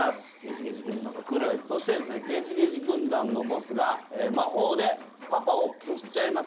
そしてゲジゲジ軍団のボスが魔法でパパを消しちゃいます。